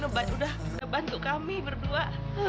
udah bantu kami berdua